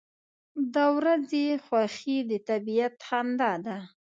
• د ورځې خوښي د طبیعت خندا ده.